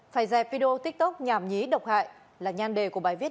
phải dẹp video tiktok nhàm nhí độc hại là nhan đề của bài viết